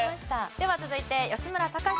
では続いて吉村崇さん。